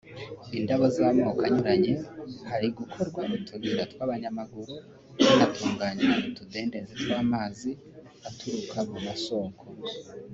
indabo z’amoko anyuranye; hari gukorwa utuyira tw’abanyamaguru; hanatunganywa utudendezi tw’amazi aturuka mu masoko